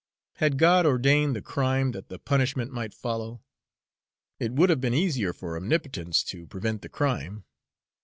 Had God ordained the crime that the punishment might follow? It would have been easier for Omnipotence to prevent the crime.